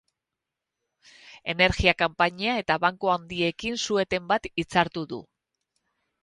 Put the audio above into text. Energia konpainia eta banku handiekin su-eten bat hitzartu du.